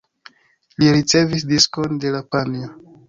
Li ricevis diskon de la panjo.